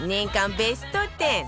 ベスト１０